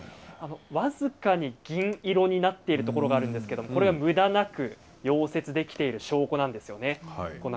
僅かに銀色になっているところがあるんですが、これはむらなく溶接できている証拠なんですよね。